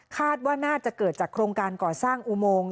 คาดว่าน่าจะเกิดจากโครงการก่อสร้างอุโมง